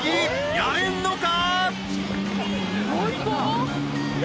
やれんのか？］